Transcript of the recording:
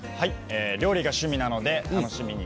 料理が趣味なので楽しみに。